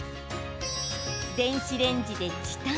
電子レンジで時短。